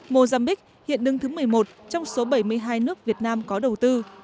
mozambique hiện đứng thứ một mươi một trong số bảy mươi hai nước việt nam có đầu tư